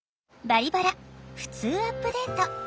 「バリバラふつうアップデート」。